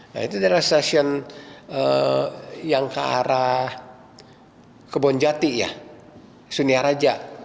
nah itu adalah stasiun yang ke arah kebonjati ya sunia raja